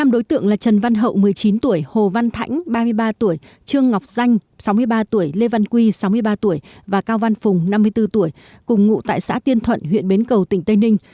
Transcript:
năm đối tượng là trần văn hậu một mươi chín tuổi hồ văn thãnh ba mươi ba tuổi trương ngọc danh sáu mươi ba tuổi lê văn quy sáu mươi ba tuổi và cao văn phùng năm mươi bốn tuổi cùng ngụ tại xã tiên thuận huyện bến cầu tỉnh tây ninh